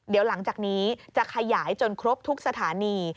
เดี๋ยวหลังจากนี้จะขยายจนครบทุกสถานี